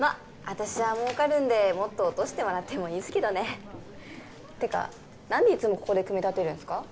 私は儲かるんでもっと落としてもらってもいいんすけどねってか何でいつもここで組み立てるんすか？